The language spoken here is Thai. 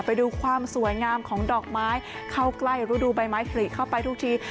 ไปดูความสวยงามของดอกไม้เข้าใกล้รูดูใบไม้ผลิเข้าไปทุกที